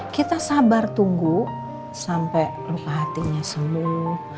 kita sabar tunggu sampai lupa hatinya sembuh